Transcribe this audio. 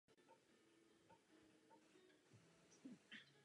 Speciální cenu získala Betty White.